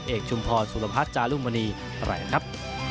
เอกชุมพลสุรพัฒน์จารุมณีแหล่งครับ